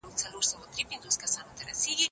باید هره میاشت خپل وزن او د وینې فشار کنټرول کړو.